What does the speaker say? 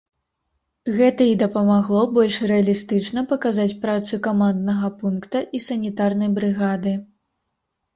Гэта і дапамагло больш рэалістычна паказаць працу каманднага пункта і санітарнай брыгады.